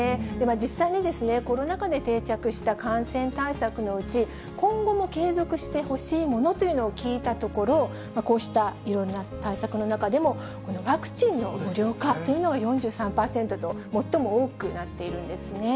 実際にですね、コロナ禍で定着した感染対策のうち、今後も継続してほしいものというのを聞いたところ、こうした、いろんな対策の中でも、このワクチンの無料化というのは４３％と、最も多くなっているんですね。